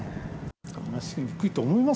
話しにくいと思います。